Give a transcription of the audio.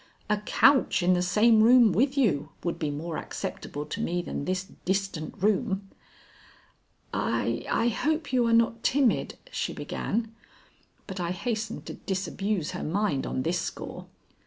"A couch in the same room with you would be more acceptable to me than this distant room." "I I hope you are not timid," she began, but I hastened to disabuse her mind on this score.